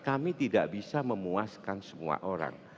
kami tidak bisa memuaskan semua orang